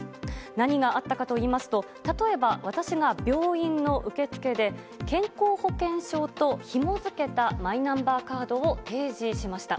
何があったかといいますと例えば私が病院の受付で健康保険証とひもづけたマイナンバーカードを提示しました。